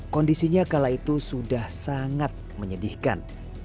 kondisinya kala itu sudah sangat menyedihkan